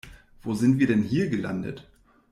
Wo sind wir denn hier gelandet?